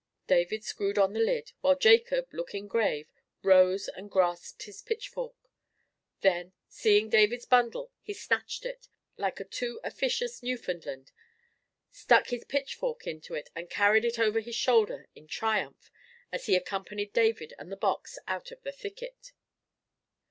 David screwed on the lid, while Jacob, looking grave, rose and grasped his pitchfork. Then, seeing David's bundle, he snatched it, like a too officious Newfoundland, stuck his pitchfork into it and carried it over his shoulder in triumph as he accompanied David and the box out of the thicket.